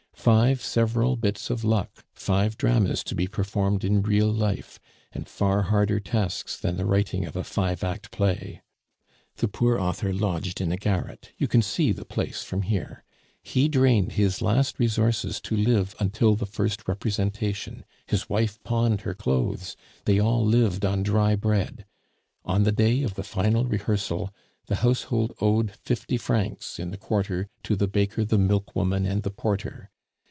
Five several bits of luck, five dramas to be performed in real life, and far harder tasks than the writing of a five act play. The poor author lodged in a garret; you can see the place from here. He drained his last resources to live until the first representation; his wife pawned her clothes, they all lived on dry bread. On the day of the final rehearsal, the household owed fifty francs in the Quarter to the baker, the milkwoman, and the porter.